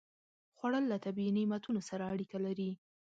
خوړل له طبیعي نعمتونو سره اړیکه لري